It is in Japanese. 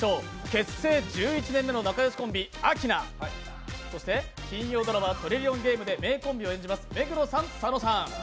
結成１１年目の仲良しコンビ・アキナ金曜ドラマ「トリリオンゲーム」で名コンビを演じます、目黒さん、佐野さん。